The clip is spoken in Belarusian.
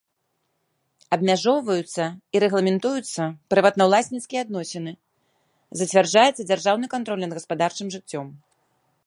Абмяжоўваюцца і рэгламентуюцца прыватнаўласніцкія адносіны, зацвярджаецца дзяржаўны кантроль над гаспадарчым жыццём.